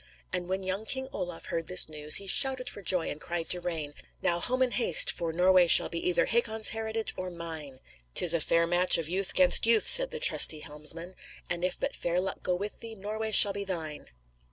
And when young King Olaf heard this news, he shouted for joy and cried to Rane: "Now, home in haste, for Norway shall be either Hakon's heritage or mine!" "'Tis a fair match of youth 'gainst youth," said the trusty helmsman; "and if but fair luck go with thee, Norway shall be thine!"